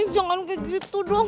jangan kayak gitu dong